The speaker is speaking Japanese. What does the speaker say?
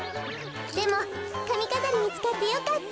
でもかみかざりみつかってよかった。